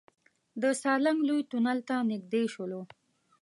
د سالنګ لوی تونل ته نزدې شولو.